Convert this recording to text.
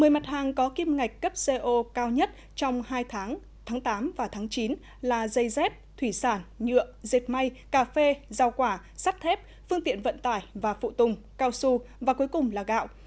một mươi mặt hàng có kim ngạch cấp co cao nhất trong hai tháng tháng tám và tháng chín là dây dép thủy sản nhựa dệt may cà phê rau quả sắt thép phương tiện vận tải và phụ tùng cao su và cuối cùng là gạo